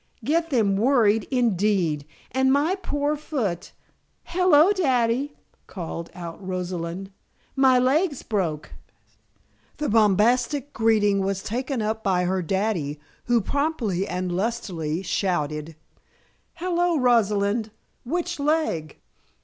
"Get them worried! Indeed! And my poor foot Hello, Daddy!" called out Rosalind. "My leg's broke!" The bombastic greeting was taken up by her daddy who promptly and lustily shouted: "Hello, Rosalinda! Which leg?"